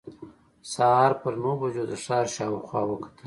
سهار پر نهو بجو د ښار شاوخوا وکتل.